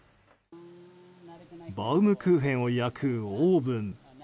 バウムクーヘンを焼くオーブン。